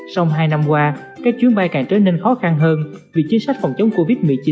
sau hai năm qua các chuyến bay càng trở nên khó khăn hơn vì chính sách phòng chống covid một mươi chín của hai quốc gia